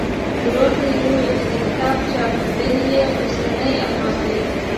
ورور ته یې ویل چې د کتاب چاپ لیدل یې وروستنی ارمان دی.